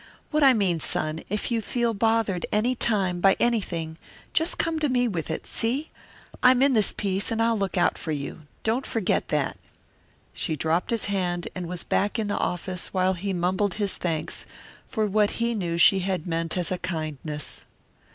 "What I mean son, if you feel bothered any time by anything just come to me with it, see? I'm in this piece, and I'll look out for you. Don't forget that." She dropped his hand, and was back in the office while he mumbled his thanks for what he knew she had meant as a kindness.